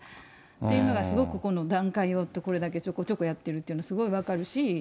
というのがすごくこの段階を追って、これだけちょこちょこやってるとすごい分かるし。